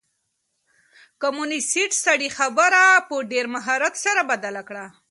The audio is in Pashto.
کمونيسټ سړي خپله خبره په ډېر مهارت سره بدله کړه.